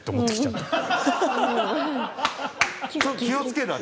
気をつけな。